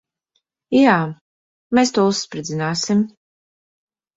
Jā. Mēs to uzspridzināsim.